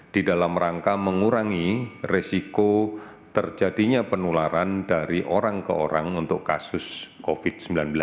di dalam rangka mengurangi resiko terjadinya penularan dari orang ke orang untuk kasus covid sembilan belas